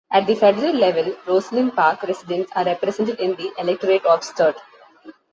At the Federal level, Rosslyn Park residents are represented in the electorate of Sturt.